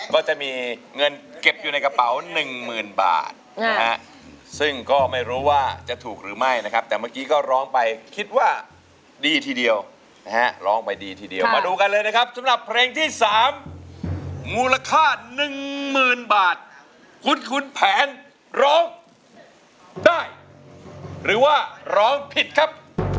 ก็จะมีเงินเก็บอยู่ในกระเป๋าหนึ่งหมื่นบาทนะฮะซึ่งก็ไม่รู้ว่าจะถูกหรือไม่นะครับแต่เมื่อกี้ก็ร้องไปคิดว่าดีทีเดียวนะฮะร้องไปดีทีเดียวมาดูกันเลยนะครับสำหรับเพลงที่๓มูลค่าหนึ่งหมื่นบาทคุณคุณแผนร้องได้หรือว่าร้องผิดครับ